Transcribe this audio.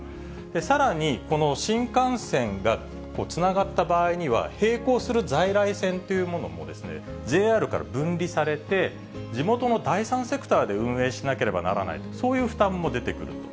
さらに、この新幹線がつながった場合には、並行する在来線というものもＪＲから分離されて、地元の第三セクターで運営しなければならないと、そういう負担も出てくると。